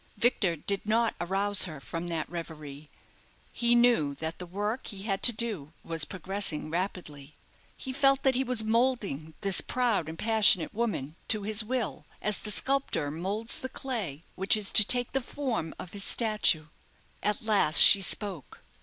Victor did not arouse her from that reverie. He knew that the work he had to do was progressing rapidly. He felt that he was moulding this proud and passionate woman to his will, as the sculptor moulds the clay which is to take the form of his statue. At last she spoke.